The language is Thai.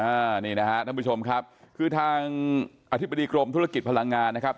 อันนี้นะฮะท่านผู้ชมครับคือทางอธิบดีกรมธุรกิจพลังงานนะครับ